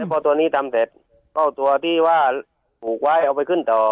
พอตัวนี้ทำเสร็จก็เอาตัวที่ว่าผูกไว้เอาไปขึ้นต่อ